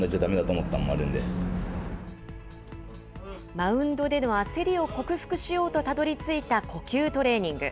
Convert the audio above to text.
マウンドでの焦りを克服しようとたどりついた呼吸トレーニング。